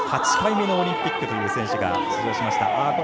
８回目のオリンピックという選手が出場しました。